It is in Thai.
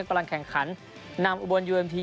กำลังแข่งขันนำอุบลยูเอ็มที